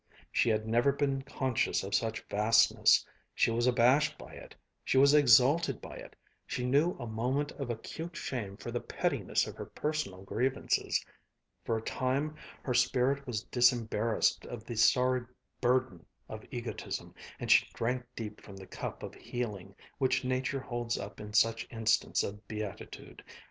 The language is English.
She had never been conscious of such vastness, she was abashed by it, she was exalted by it, she knew a moment of acute shame for the pettiness of her personal grievances. For a time her spirit was disembarrassed of the sorry burden of egotism, and she drank deep from the cup of healing which Nature holds up in such instants of beatitude.